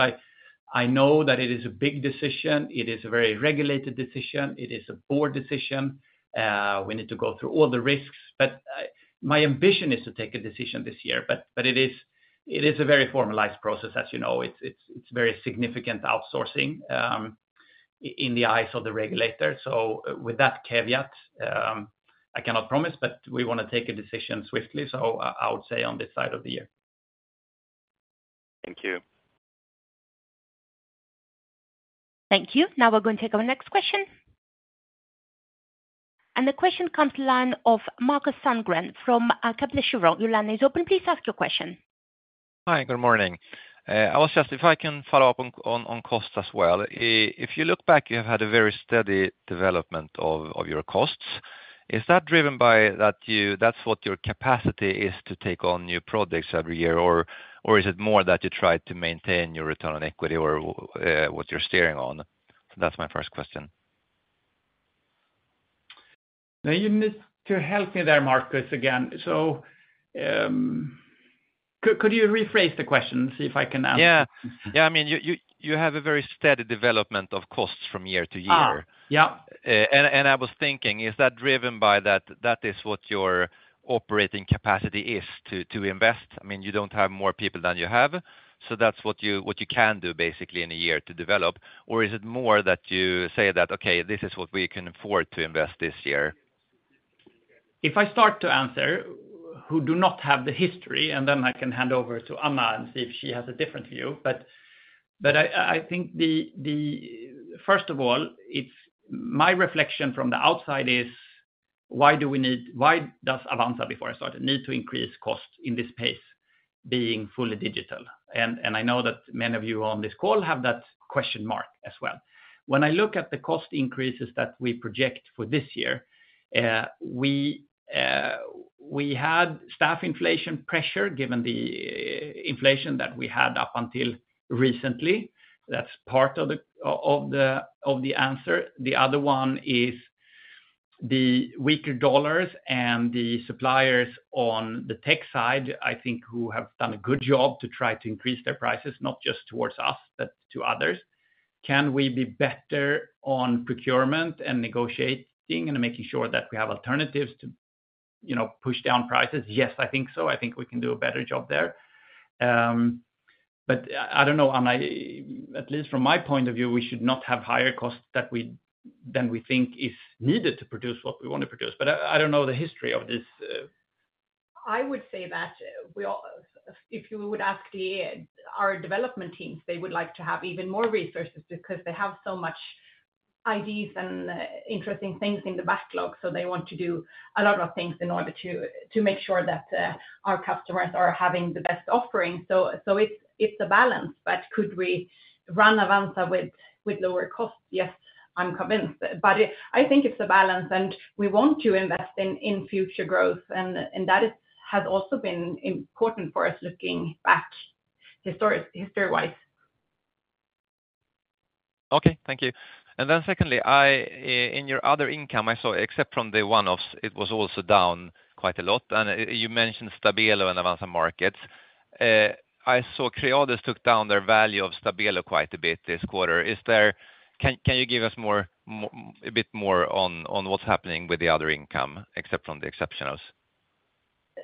I know that it is a big decision. It is a very regulated decision. It is a board decision. We need to go through all the risks, but my ambition is to take a decision this year. But it is a very formalized process, as you know. It's very significant outsourcing, in the eyes of the regulator. So with that caveat, I cannot promise, but we want to take a decision swiftly. So I would say on this side of the year. Thank you. Thank you. Now we're going to take our next question. The question comes from the line of Markus Sandgren from Kepler Cheuvreux. Your line is open, please ask your question. Hi, good morning. If I can follow up on cost as well. If you look back, you have had a very steady development of your costs. Is that driven by that you—that's what your capacity is to take on new projects every year, or is it more that you try to maintain your return on equity or what you're steering on? So that's my first question. Now, you need to help me there, Markus, again. So, could you rephrase the question, see if I can answer? Yeah. Yeah, I mean, you have a very steady development of costs from year to year. Ah, yeah. And I was thinking, is that driven by that that is what your operating capacity is to invest? I mean, you don't have more people than you have, so that's what you can do, basically, in a year to develop. Or is it more that you say that, "Okay, this is what we can afford to invest this year? If I start to answer who do not have the history, and then I can hand over to Anna and see if she has a different view. But I think the... First of all, it's my reflection from the outside is why do we need—why does Avanza, before I start, need to increase costs in this pace?... being fully digital, and I know that many of you on this call have that question mark as well. When I look at the cost increases that we project for this year, we had staff inflation pressure, given the inflation that we had up until recently. That's part of the answer. The other one is the weaker dollars and the suppliers on the tech side, I think, who have done a good job to try to increase their prices, not just towards us, but to others. Can we be better on procurement and negotiating and making sure that we have alternatives to, you know, push down prices? Yes, I think so. I think we can do a better job there. But I don't know, and I, at least from my point of view, we should not have higher costs than we think is needed to produce what we want to produce. But I don't know the history of this. I would say that if you would ask our development teams, they would like to have even more resources because they have so many ideas and interesting things in the backlog. So they want to do a lot of things in order to make sure that our customers are having the best offerings. So it's a balance, but could we run Avanza with lower costs? Yes, I'm convinced. But I think it's a balance, and we want to invest in future growth, and that has also been important for us looking back, history-wise. Okay, thank you. And then secondly, I in your other income, I saw except from the one-offs, it was also down quite a lot. And you mentioned Stabelo and Avanza Markets. I saw Creades took down their value of Stabelo quite a bit this quarter. Is there... Can you give us more, a bit more on what's happening with the other income, except from the exceptionals?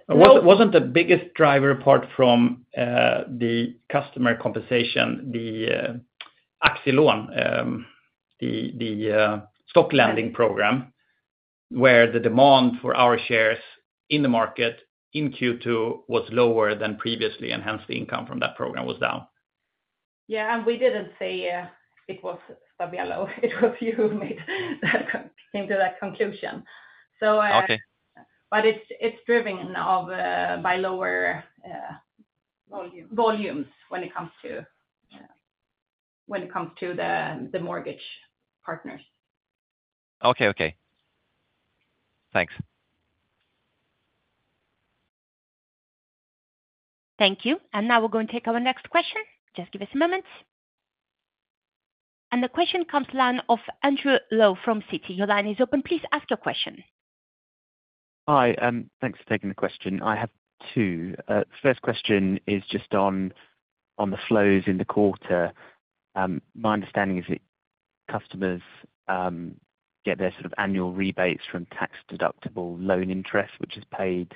Well, wasn't the biggest driver, apart from the customer compensation, the Aktielån, the stock lending program, where the demand for our shares in the market in Q2 was lower than previously, and hence, the income from that program was down. Yeah, and we didn't say it was Stabelo. It was you who came to that conclusion. So, Okay. But it's driven by lower volumes. Volumes when it comes to the mortgage partners. Okay, okay. Thanks. Thank you. And now we're going to take our next question. Just give us a moment. And the question comes from the line of Andrew Lowe from Citi. Your line is open. Please ask your question. Hi, thanks for taking the question. I have two. First question is just on the flows in the quarter. My understanding is that customers get their sort of annual rebates from tax-deductible loan interest, which is paid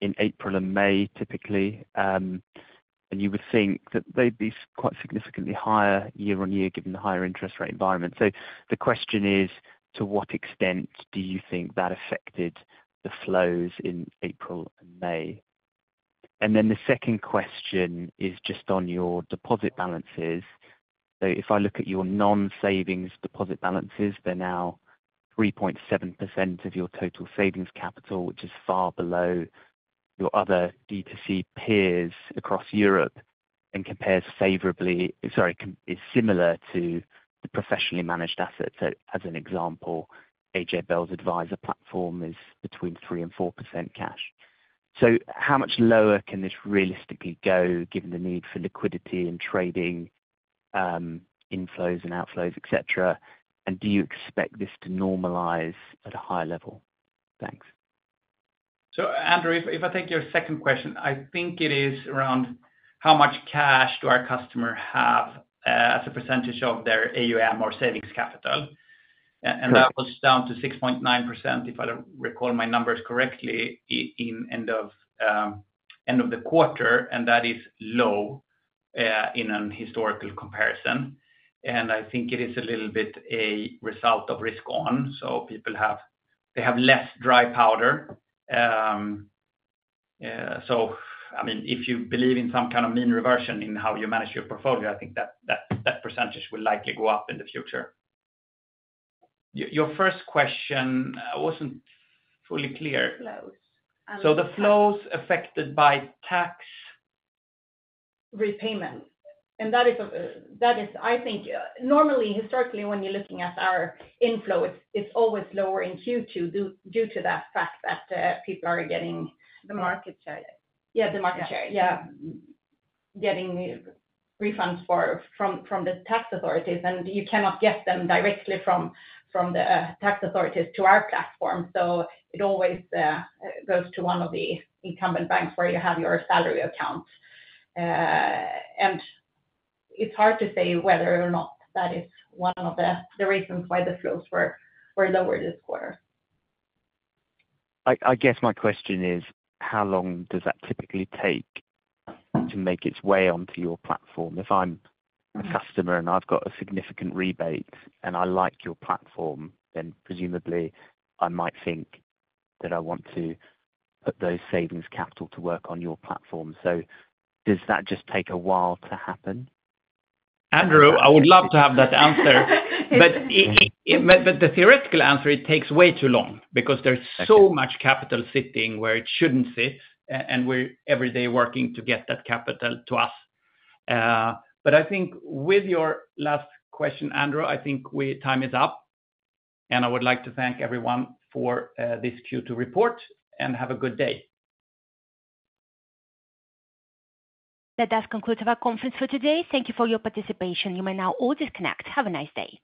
in April and May, typically. And you would think that they'd be quite significantly higher year-on-year, given the higher interest rate environment. So the question is, to what extent do you think that affected the flows in April and May? And then the second question is just on your deposit balances. So if I look at your non-savings deposit balances, they're now 3.7% of your total savings capital, which is far below your other D2C peers across Europe, and compares favorably... Sorry, is similar to the professionally managed assets. So as an example, AJ Bell's advisor platform is between 3% and 4% cash. So how much lower can this realistically go, given the need for liquidity and trading, inflows and outflows, et cetera? And do you expect this to normalize at a higher level? Thanks. Andrew, if I take your second question, I think it is around how much cash do our customer have as a percentage of their AUM or savings capital. Right. That was down to 6.9%, if I recall my numbers correctly, at the end of the quarter, and that is low in a historical comparison. I think it is a little bit a result of risk on, so people have less dry powder. So, I mean, if you believe in some kind of mean reversion in how you manage your portfolio, I think that percentage will likely go up in the future. Your first question wasn't fully clear. Flows. So the flows affected by tax- Repayment. And that is. I think, normally, historically, when you're looking at our inflow, it's always lower in Q2 due to that fact that people are getting— The market share. Yeah, the market share. Yeah. Yeah, getting refunds for— from the tax authorities, and you cannot get them directly from the tax authorities to our platform. So it always goes to one of the incumbent banks where you have your salary account. And it's hard to say whether or not that is one of the reasons why the flows were lower this quarter. I guess my question is: How long does that typically take to make its way onto your platform? If I'm a customer and I've got a significant rebate and I like your platform, then presumably, I might think that I want to put those savings capital to work on your platform. So does that just take a while to happen? Andrew, I would love to have that answer. But the theoretical answer, it takes way too long, because there's- Okay... so much capital sitting where it shouldn't sit, and we're every day working to get that capital to us. But I think with your last question, Andrew, I think time is up, and I would like to thank everyone for this Q2 report, and have a good day. That does conclude our conference for today. Thank you for your participation. You may now all disconnect. Have a nice day.